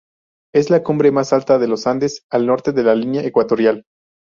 Es la cumbre más alta en los Andes al norte de la línea ecuatorial.